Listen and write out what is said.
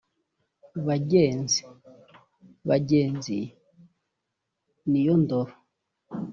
Bagenzi (Bagenzi niyo ndoro